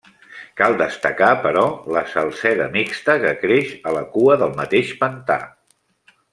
Cal destacar, però, la salzeda mixta que creix a la cua del mateix pantà.